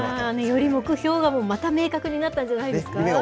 より目標がまた明確になったんじゃないですか。